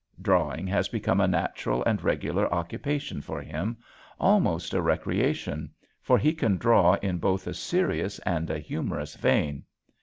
Drawing has become a natural and regular occupation for him, almost a recreation for he can draw in both a serious and a humorous vein.